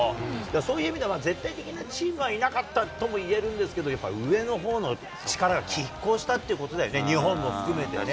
そういう意味で絶対的なチームはいなかったともいえるんですけど、やっぱ上のほうの力がきっ抗したってことだよね、日本も含めてね。